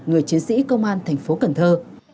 người chiến sĩ công an thành phố cần thơ